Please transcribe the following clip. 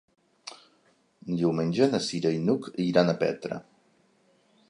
Diumenge na Cira i n'Hug iran a Petra.